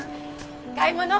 買い物？